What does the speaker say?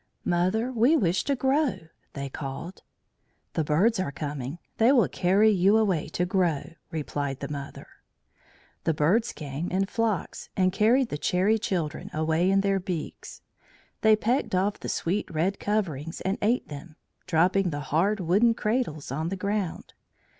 "Mother, we wish to grow," they called. "The birds are coming. They will carry you away to grow," replied the mother. The birds came in flocks and carried the Cherry Children away in their beaks. They pecked off the sweet red coverings and ate them, dropping the hard wooden cradles on the ground.